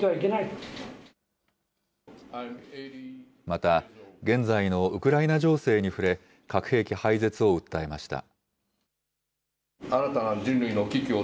また、現在のウクライナ情勢に触れ、核兵器廃絶を訴えました。